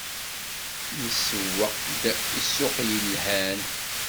Nsewweq-d ssuq yelhan.